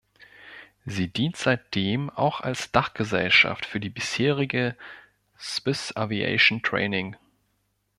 Sie dient seitdem auch als Dachgesellschaft für die bisherige Swiss Aviation Training.